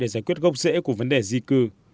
để giải quyết gốc rễ của vấn đề di cư